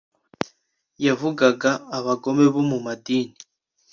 yavugaga abagome bo mu madini.